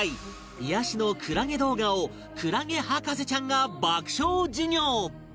癒やしのクラゲ動画をクラゲ博士ちゃんが爆笑授業